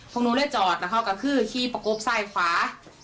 พวกหนูเลยจอดแล้วเขาก็คือขี่ประกบซ้ายขวา